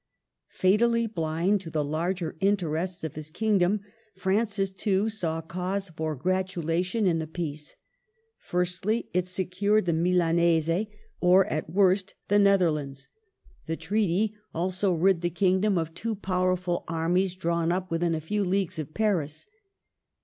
Fatally blind to the larger interests of his king dom, Francis, too, saw cause for gratulation in the peace. Firstly, it secured the Milanese, or, at worst, the Netherlands. The treaty also rid 254 MARGARET OF ANGOUL^ME. the kingdom of two powerful armies drawn up within a few leagues of Paris.